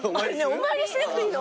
お参りしなくていいの？